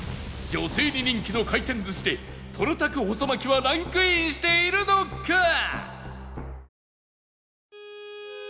女性に人気の回転寿司でとろたく細巻はランクインしているのか？